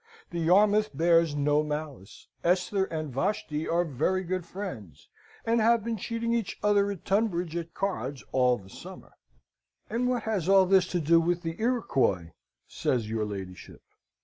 The Yarmouth bears no malice. Esther and Vashti are very good friends, and have been cheating each other at Tunbridge at cards all the summer. "'And what has all this to do with the Iroquois?' says your ladyship.